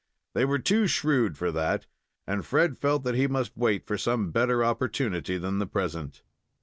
They were too shrewd for that and Fred felt that he must wait for some better opportunity than the present.